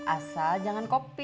asal jangan kopi